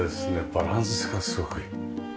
バランスがすごくいい。